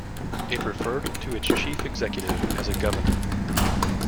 It referred to its chief executive as a "governor".